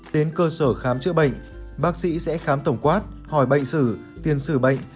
đến cơ sở khám chữa bệnh bác sĩ sẽ khám tổng quát hỏi bệnh sử tiền sử bệnh